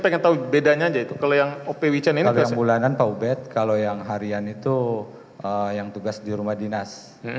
kalau yang bulanan pak ubed kalau yang harian itu yang tugas di rumah dinas